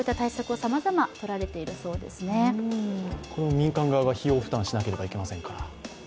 民間側が費用負担しなければなりませんから。